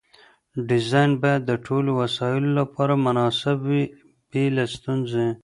ډیزاین باید د ټولو وسایلو لپاره مناسب وي بې له ستونزې.